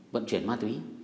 vận chuyển ma túy